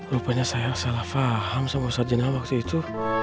rupanya saya salah faham sama ustadz jena waktu itu